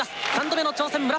３度目の挑戦